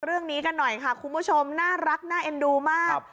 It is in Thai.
เรื่องนี้กันหน่อยค่ะคุณผู้ชมน่ารักน่าเอ็นดูมาก